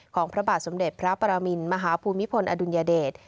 พระบาทสมเด็จพระปรมินมหาภูมิพลอดุลยเดช